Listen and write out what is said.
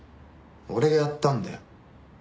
俺がやったんだよ。